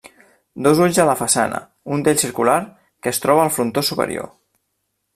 Dos ulls a la façana, un d'ells circular, que es troba al frontó superior.